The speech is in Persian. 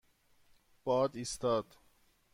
باد ایستاد.